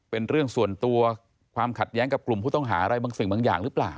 เป็นเรื่องส่วนตัวความขัดแย้งกับกลุ่มผู้ต้องหาอะไรบางสิ่งบางอย่างหรือเปล่า